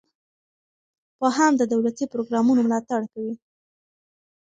پوهان د دولتي پروګرامونو ملاتړ کوي.